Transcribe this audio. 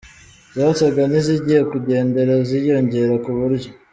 zasaga n’izigiye gukendera ziyongera ku buryo.